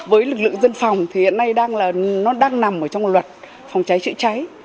với lực lượng dân phòng thì hiện nay nó đang nằm trong luật phòng cháy trị cháy